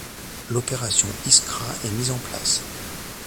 L'opération Iskra est mise en place.